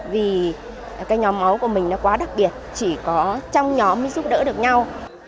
vì nhóm máu của mình quá đặc biệt chỉ có trong nhóm giúp đỡ được nhau